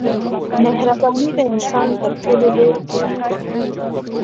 مهرباني د انسان تر ټولو لوی قوت دی.